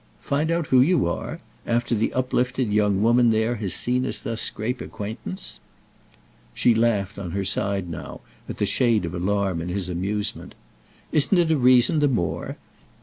"Find out who you are?—after the uplifted young woman there has seen us thus scrape acquaintance!" She laughed on her side now at the shade of alarm in his amusement. "Isn't it a reason the more?